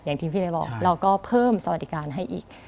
อย่างที่พี่ได้บอกเราก็เพิ่มสวัสดิการให้อีก